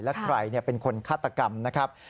และใครเป็นคนฆาตกรรมนะครับ